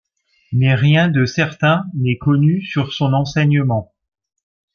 Mais rien de certain n'est connu sur son enseignement.